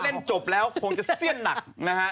เล่นจบแล้วคงจะเสี้ยนหนักนะฮะ